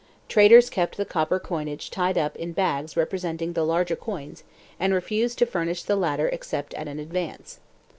Traders kept the copper coinage tied up in bags representing the larger coins and refused to furnish the latter except at an advance.